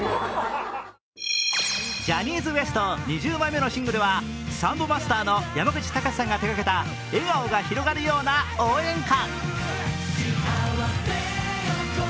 ジャニーズＷＥＳＴ、２０枚目のシングルはサンボマスター、山口隆さんが手がけた笑顔が広がるような応援歌。